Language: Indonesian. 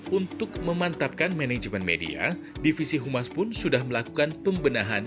untuk memantapkan manajemen media divisi humas pun sudah melakukan pembenahan